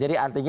pada saat ini